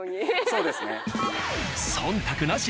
そうですね。